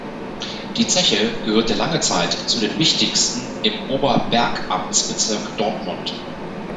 Die Zeche gehörte lange Zeit zu den wichtigsten im Oberbergamtsbezirk Dortmund.